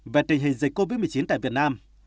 về tình hình dịch covid một mươi chín tại việt nam